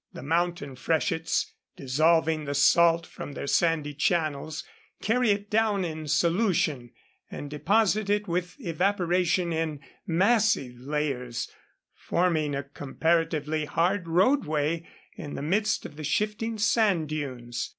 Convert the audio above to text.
The mountain freshets, dissolving the salt from their sandy channels, carry it down in solution and deposit it with evaporation in massive layers, forming a comparatively hard roadway in the midst of the shifting sand dunes.